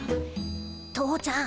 父ちゃん。